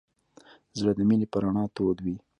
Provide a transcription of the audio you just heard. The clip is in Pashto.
زړه د مینې په رڼا تود وي.